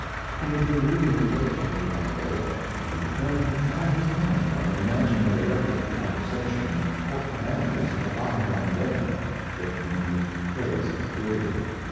He had been reading diligently one day, when he determined to try his hand on an imaginary record of conversation and court manners of a bygone day, written in the phrase of the period.